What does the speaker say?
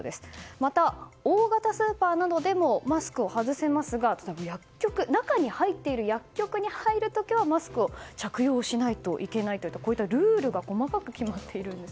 また、大型スーパーなどでもマスクを外せますが中に入っている薬局に入る時はマスクを着用しないといけないとルールが細かく決まっているんです。